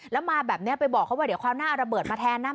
แล้วมาแบบนี้ไปบอกเขาว่าเดี๋ยวคราวหน้าเอาระเบิดมาแทนนะ